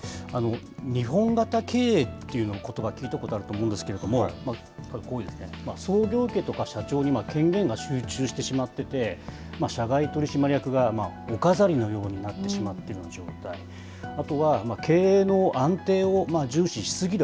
日本型経営っていうことば、聞いたことあると思うんですけれども、創業家とか社長に権限が集中してしまってて、社外取締役がお飾りのようになってしまっている状態、あとは経営の安定を重視しすぎる